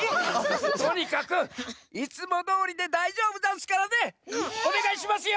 とにかく！いつもどおりでだいじょうぶざんすからね！おねがいしますよ！